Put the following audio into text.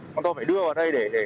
chúng tôi phải đưa vào đây để